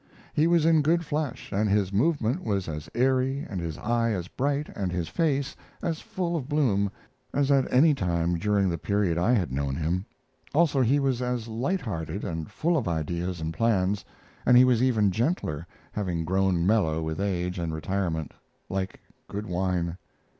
He was in good flesh, and his movement was as airy and his eye as bright and his face as full of bloom as at any time during the period I had known him; also, he was as light hearted and full of ideas and plans, and he was even gentler having grown mellow with age and retirement, like good wine.